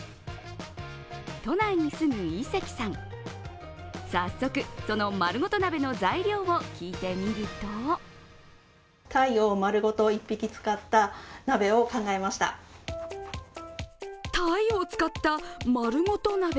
都内に住む井関さん、早速、そのまるごと鍋の材料を聞いてみるとたいを使った、まるごと鍋？